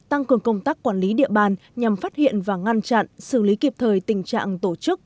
tăng cường công tác quản lý địa bàn nhằm phát hiện và ngăn chặn xử lý kịp thời tình trạng tổ chức